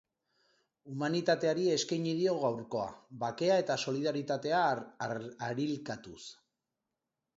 Humanitateari eskeini dio gaurkoa, bakea eta solidaritatea harilkatuz.